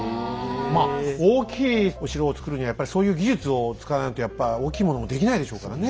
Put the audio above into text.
まあ大きいお城を造るにはやっぱりそういう技術を使わないとやっぱ大きいものもできないでしょうからね。